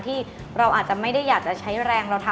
ที่เราอาจจะไม่ได้อยากจะใช้แรงเราทำ